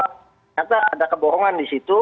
ternyata ada kebohongan di situ